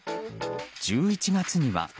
１１月には。